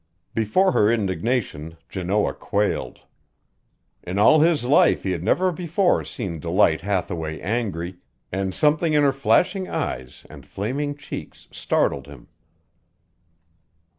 Before her indignation Janoah quailed. In all his life he had never before seen Delight Hathaway angry, and something in her flashing eyes and flaming cheeks startled him.